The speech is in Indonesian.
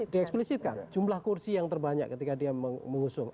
dieksplisitkan jumlah kursi yang terbanyak ketika dia mengusung